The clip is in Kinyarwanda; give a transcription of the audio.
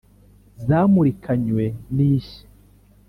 zamurikanywe n’ ishya